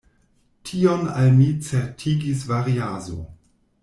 Tion al mi certigis Variaso.